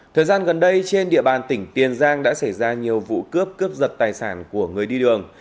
thời gian gần đây trên địa bàn tỉnh tiền giang đã xảy ra nhiều vụ cướp cướp giật tài sản của người đi đường